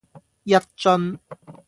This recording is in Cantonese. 一樽